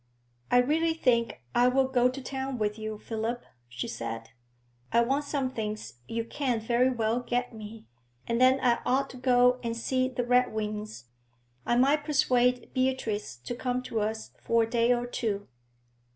'I really think I will go to town with you, Philip,' she said. 'I want some things you can't very well get me, and then I ought to go and see the Redwings. I might persuade Beatrice to come to us for a day or two.'